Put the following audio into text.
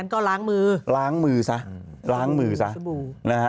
ก็ล้างมือล้างมือซะล้างมือซะ